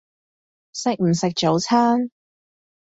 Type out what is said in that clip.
食唔食早餐？